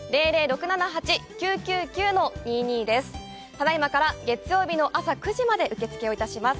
ただいまから月曜日の朝９時まで受付をいたします。